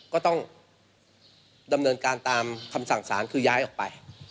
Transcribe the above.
ก็ต้องดำเนินการตามคำสั่งสารคือย้ายออกไป